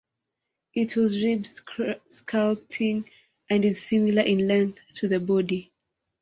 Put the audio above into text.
It has ribbed sculpting and is similar in length to the body.